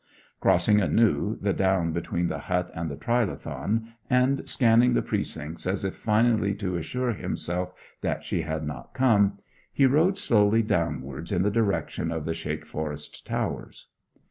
Crossing anew the down between the hut and the trilithon, and scanning the precincts as if finally to assure himself that she had not come, he rode slowly downwards in the direction of Shakeforest Towers.